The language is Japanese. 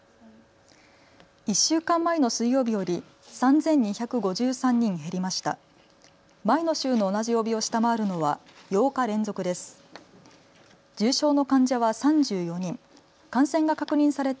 １週間前の水曜日より３２５３人減りました。